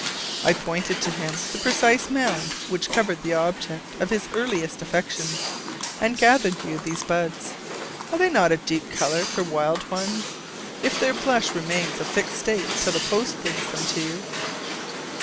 I pointed out to him the precise mound which covered the object of his earliest affections, and gathered you these buds. Are they not a deep color for wild ones? if their blush remains a fixed state till the post brings them to you.